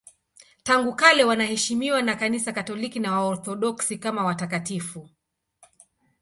Tangu kale wanaheshimiwa na Kanisa Katoliki na Waorthodoksi kama watakatifu.